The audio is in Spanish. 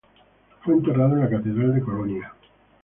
Fue enterrado en la catedral de Colonia.